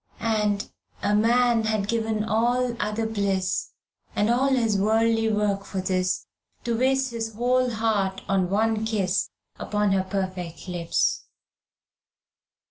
And "A man had given all other bliss And all his worldly work for this, To waste his whole heart in one kiss Upon her perfect lips."